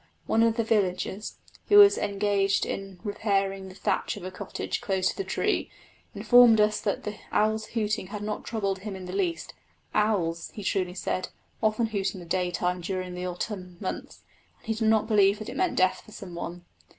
One of the villagers, who was engaged in repairing the thatch of a cottage close to the tree, informed us that the owl's hooting had not troubled him in the least. Owls, he truly said, often hoot in the daytime during the autumn months, and he did not believe that it meant death for some one.